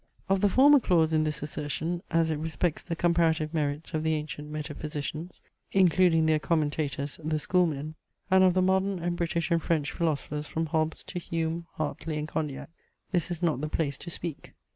Of the former clause in this assertion, as it respects the comparative merits of the ancient metaphysicians, including their commentators, the School men, and of the modern and British and French philosophers from Hobbes to Hume, Hartley, and Condillac, this is not the place to speak.